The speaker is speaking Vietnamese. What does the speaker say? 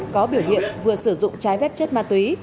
có biểu hiện vừa sử dụng trái phép chất ma túy